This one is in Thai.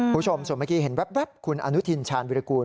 คุณผู้ชมส่วนเมื่อกี้เห็นแว๊บคุณอนุทินชาญวิรากูล